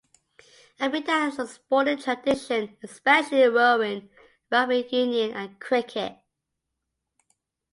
Abingdon has a sporting tradition, especially in rowing, rugby union and cricket.